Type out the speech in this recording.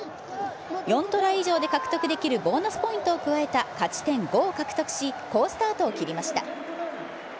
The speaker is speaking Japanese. ４トライ以上で獲得できるボーナスポイントを加えた勝ち点５を獲得し、好スタートを切りました。